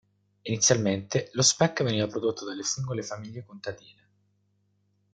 Inizialmente lo "speck" veniva prodotto dalle singole famiglie contadine.